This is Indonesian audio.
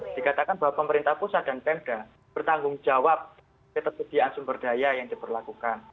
dikatakan bahwa pemerintah pusat dan pemda bertanggung jawab ketersediaan sumber daya yang diperlakukan